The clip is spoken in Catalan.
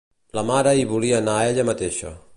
La mare hi volia anar ella mateixa.